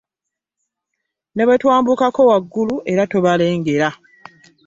Ne bwe twambukako waggulu era tobalengera.